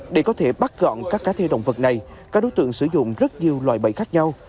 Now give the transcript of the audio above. để có thể bắt gọn các cá thể động vật này các đối tượng sử dụng rất nhiều loại bẫy khác nhau